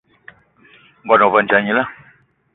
Ngón ohandja gnila